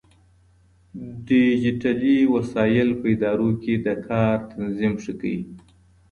ډيجيټلي وسايل په ادارو کې د کار تنظيم ښه کوي.